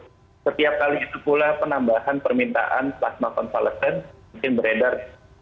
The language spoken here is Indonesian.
jadi setiap kali itu pula penambahan permintaan plasma konvalesan mungkin beredar